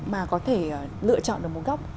mà có thể lựa chọn được một góc